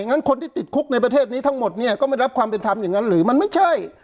งั้นคนที่ติดคุกในประเทศนี้ทั้งหมดเนี่ยก็ไม่รับความเป็นธรรมอย่างนั้นหรือมันไม่ใช่